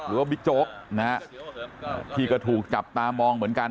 บิ๊กโจ๊กนะฮะที่ก็ถูกจับตามองเหมือนกัน